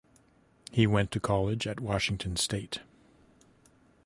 He went to college at Washington State.